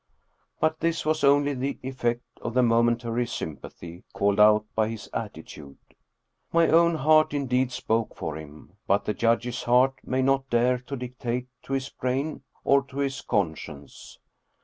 But this was only the effect of the momentary sympathy called out by his attitude. My own heart indeed spoke for him. But the judge's heart may not dare to dictate to his brain or to his conscience.